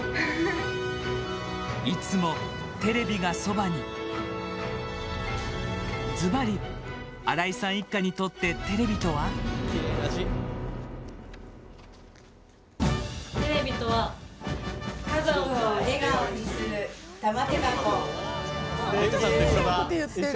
私の夢はずばり、荒井さん一家にとってテレビとは？テレビとは家族を笑顔にする玉手箱！